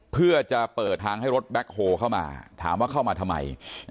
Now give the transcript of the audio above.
เพื่อจะเปิดทางให้รถแบ็คโฮเข้ามาถามว่าเข้ามาทำไม